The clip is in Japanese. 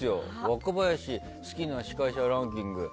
若林好きな司会者ランキング